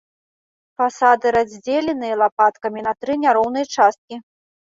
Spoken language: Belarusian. Фасады раздзеленыя лапаткамі на тры няроўныя часткі.